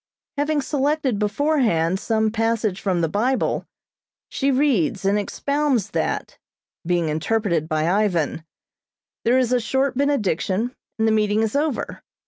Having selected beforehand some passage from the Bible, she reads and expounds that, being interpreted by Ivan; there is a short benediction and the meeting is over.